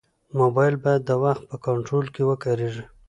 موبایل باید د وخت په کنټرول کې وکارېږي.